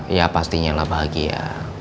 iya pastinya lah bahagia